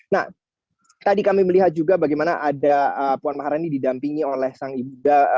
nah tadi kami melihat juga bagaimana ada puan mahalani didampingi oleh sang ibu da